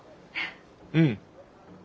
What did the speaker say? うん。